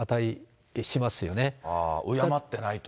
敬ってないと。